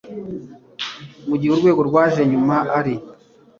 mu gihe urwego rwaje inyuma ari